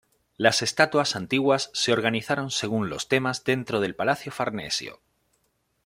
Las estatuas antiguas se organizaron según los temas dentro del Palacio Farnesio.